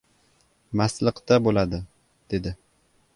— Mastliqda bo‘ladi, — dedi.